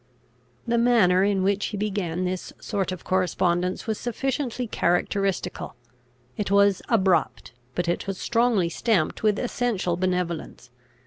The manner in which he began this sort of correspondence was sufficiently characteristical. It was abrupt; but it was strongly stamped with essential benevolence.